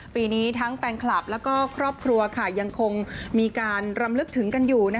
ปีนี้ทั้งแฟนคลับและครอบครัวยังคงมีการรำลึกถึงกันอยู่